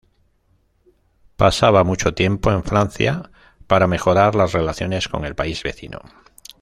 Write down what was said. Pasaba mucho tiempo en Francia para mejorar las relaciones con el país vecino.